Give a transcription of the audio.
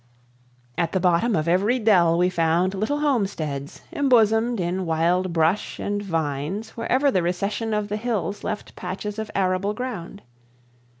At the bottom of every dell we found little homesteads embosomed in wild brush and vines wherever the recession of the hills left patches of arable ground.